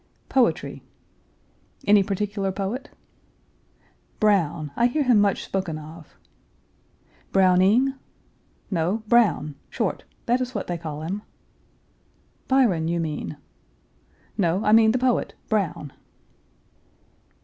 "Poetry." "Any particular poet?" "Brown. I hear him much spoken of." "Browning?" "No; Brown short that is what they call him." "Byron, you mean." "No, I mean the poet, Brown."